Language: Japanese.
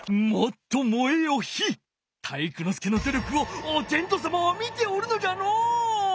介のどりょくをおてんとさまは見ておるのじゃのう！